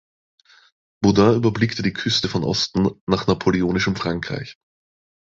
Baudin überblickte die Küste von Osten nach Napoleonischem Frankreich.